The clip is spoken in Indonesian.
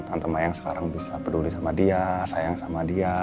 antema yang sekarang bisa peduli sama dia sayang sama dia